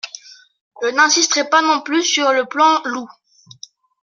Je n’insisterai pas non plus sur le plan loup.